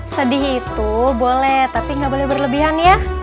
sedih itu boleh tapi nggak boleh berlebihan ya